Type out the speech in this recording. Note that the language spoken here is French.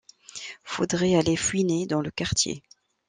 Faudrait aller fouiner dans le quartier.